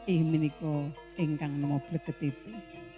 imeniko engkang mau belketipe